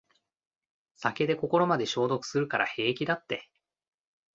酒で心まで消毒するから平気だって